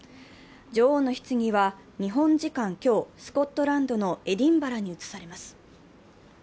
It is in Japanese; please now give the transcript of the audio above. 女王の棺は日本時間今日、スコットランドのエディンバラに移されます。